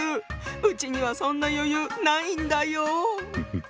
うちにはそんな余裕ないんだよ。